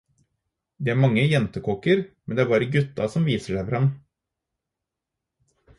Det er mange jentekokker, men det er bare gutta som viser seg frem.